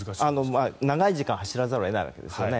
長い時間は知らざるを得ないわけです。